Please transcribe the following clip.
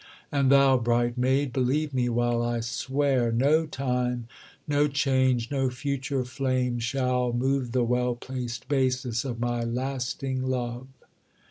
And thou, bright maid, believe me while I swear, No time, no change, no future flame shall move The well placed basis of my lasting love."